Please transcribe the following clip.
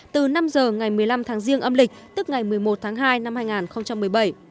từ năm giờ ngày một mươi năm tháng riêng âm lịch tức ngày một mươi một tháng hai năm hai nghìn một mươi bảy